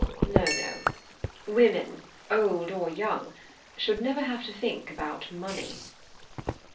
No, no; women, old or young, should never have to think about money."